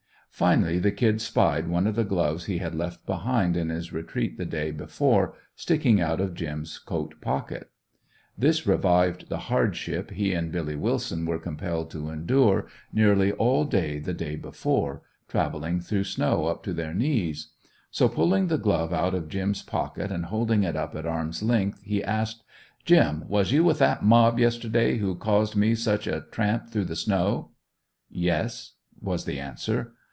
Finally the Kid spied one of the gloves he had left behind in his retreat the day before, sticking out of "Jim's" coat pocket. This revived the hardships he and Billy Willson were compelled to endure, nearly all day the day before, traveling through snow up to their knees. So pulling the glove out of "Jim's" pocket and holding it up at arms length, he asked: "Jim, was you with that mob yesterday who caused me such a tramp through the snow?" "Yes," was the answer.